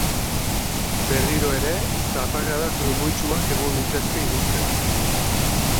Berriro ere, zaparrada trumoitsuak egon litezke iluntzean.